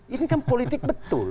ini kan politik betul